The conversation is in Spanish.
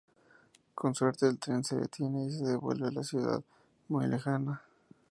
Con suerte el tren se detiene y se devuelve a Ciudad Muy Lejana.